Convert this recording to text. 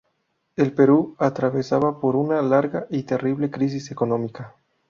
El Perú atravesaba por una larga y terrible crisis económica.